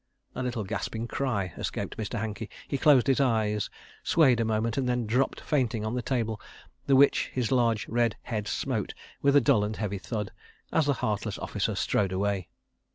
A little gasping cry escaped Mr. Hankey. He closed his eyes, swayed a moment, and then dropped fainting on the table, the which his large red head smote with a dull and heavy thud, as the heartless officer strode away.